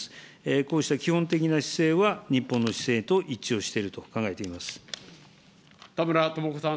こうした基本的な姿勢は、日本の姿勢と一致をしていると考えてお田村智子さん。